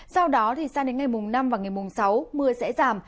sau đó sang đến ngày mùng năm và ngày mùng sáu mưa sẽ giảm